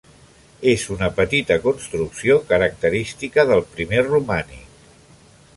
És una petita construcció característica del primer romànic.